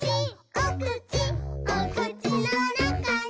おくちおくちのなかに」